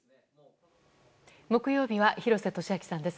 木曜日は廣瀬俊朗さんです。